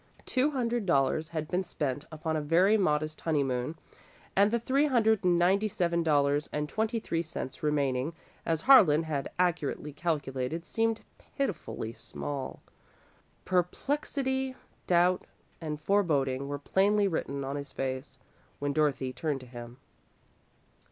Two hundred dollars had been spent upon a very modest honeymoon, and the three hundred and ninety seven dollars and twenty three cents remaining, as Harlan had accurately calculated, seemed pitifully small. Perplexity, doubt, and foreboding were plainly written on his face, when Dorothy turned to him.